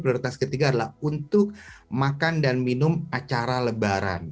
prioritas ketiga adalah untuk makan dan minum acara lebaran